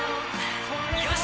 よし！